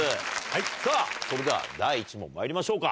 さぁそれでは第１問まいりましょうか。